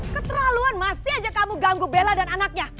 keterlaluan masih aja kamu ganggu bella dan anaknya